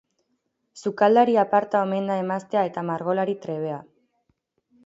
Sukaldari aparta omen da emaztea eta margolari trebea.